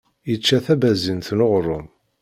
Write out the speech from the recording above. Yečča tabazint n uɣṛum.